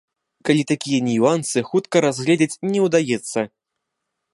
Калі такія нюансы хутка разгледзець не ўдаецца.